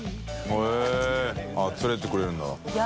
悗А連れて行ってくれるんだ。